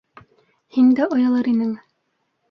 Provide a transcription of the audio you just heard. Һиндә оялыр инең!